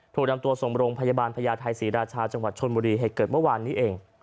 ถูกนำตัวส่งโรงพยาบาลพญาไทยศรีราชาจังหวัดชนบุรีเหตุเกิดเมื่อวานนี้เอง